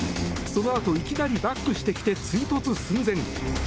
そのあといきなりバックしてきて追突寸前。